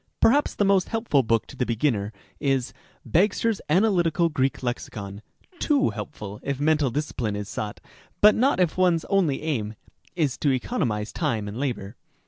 Perhaps the most helpful book to the beginner is " Bagster's Analytical Greek Lexicon," — too helpful if mental discipline is sought, but not if one's only aim is to economize time and labor.